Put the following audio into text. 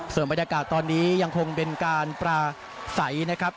ส่วนบรรยากาศตอนนี้ยังคงเป็นการปราศัยนะครับ